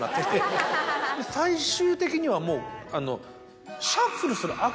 最終的にはもう。